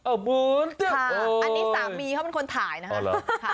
อันนี้สามีเขาเป็นคนถ่ายนะคะเอาหรอ